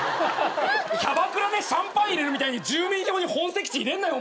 キャバクラでシャンパン入れるみたいに住民票に本籍地入れんなよ